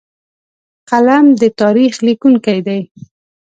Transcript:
قلم د تاریخ لیکونکی دی